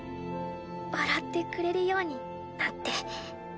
笑ってくれるようになって。